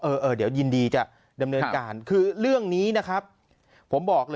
เออเดี๋ยวยินดีจะดำเนินการคือเรื่องนี้นะครับผมบอกเลย